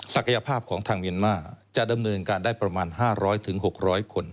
ยภาพของทางเมียนมาร์จะดำเนินการได้ประมาณ๕๐๐๖๐๐คน